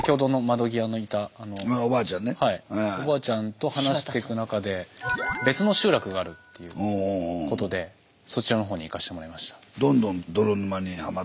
おばあちゃんと話していく中で「別の集落がある」っていうことでそちらの方に行かしてもらいました。